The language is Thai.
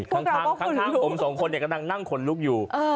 ข้างผมสองคนกำลังนั่งขนลุกอยู่